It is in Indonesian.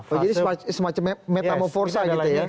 jadi semacam metamoforsa gitu ya